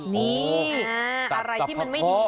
นี่อะไรที่มันไม่ดี